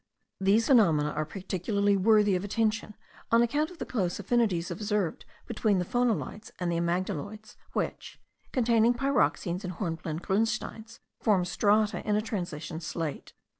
These phenomena are particularly worthy of attention on account of the close affinities observed between the phonolites and the amygdaloids, which, containing pyroxenes and hornblende grunsteins, form strata in a transition slate.